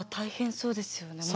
そうですね。